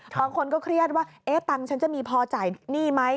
บางคนก็เครียดว่าเอ๊ะตังค์ฉันจะมีพอจ่ายหนี้ไหม